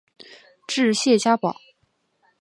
治谢家堡。